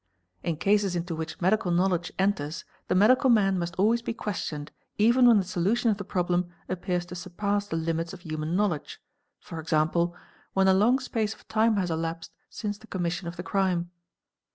In cases into which medical knowledge enters the medical man must always be questioned even when the solution of the problem appears to surpass the limits of human knowledge: e.g., when a long space of time has elapsed since the commission of the crime.